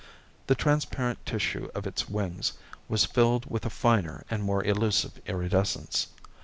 The transparent tissue of its wings was filled with a finer and more elusive iridescence.